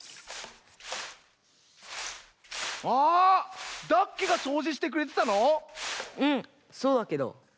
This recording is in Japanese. あダッケがそうじしてくれてたの⁉うんそうだけど。